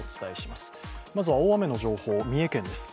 まずは大雨の情報、三重県です。